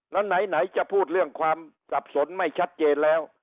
แล้วไหนจะพูดเรื่องความสับสนไม่ชัดเจนแล้ว